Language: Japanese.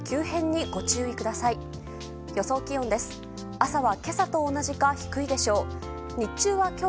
朝は、今朝と同じか低いでしょう。